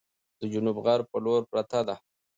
د جنوب غرب په لور پرته ده،